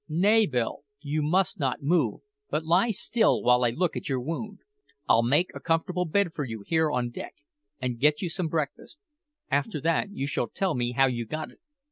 "Nay, Bill, you must not move, but lie still while I look at your wound. I'll make a comfortable bed for you here on deck, and get you some breakfast. After that you shall tell me how you got it.